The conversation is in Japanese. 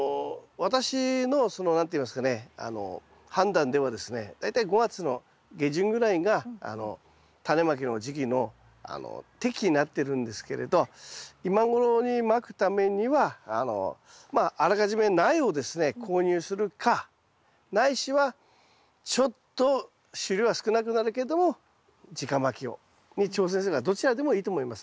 私のその何て言いますかね判断ではですね大体５月の下旬ぐらいがタネまきの時期の適期になってるんですけれど今頃にまくためにはまああらかじめ苗をですね購入するかないしはちょっと収量は少なくなるけども直まきに挑戦するかどちらでもいいと思います。